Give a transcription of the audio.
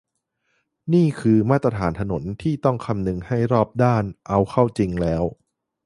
นี่คือ มาตรฐานถนนที่ต้องคำนึงให้รอบด้าน เอาเข้าจริงแล้ว